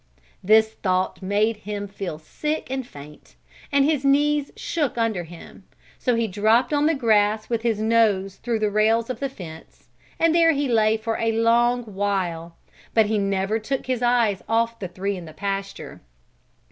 This thought made him feel sick and faint, and his knees shook under him, so he dropped on the grass with his nose through the rails of the fence, and there he lay for a long while, but he never took his eyes off the three in the pasture.